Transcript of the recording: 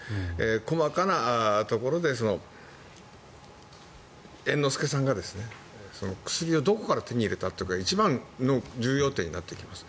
細かなところで猿之助さんが薬をどこから手に入れたかというのが一番の重要点になってきます。